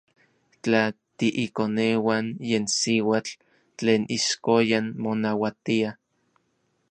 Tla tiikoneuan yen siuatl tlen ixkoyan monauatia.